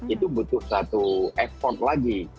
itu butuh satu effort lagi